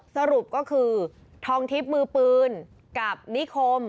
สรุปก็คือทองทิพย์มือปืนกับนิคม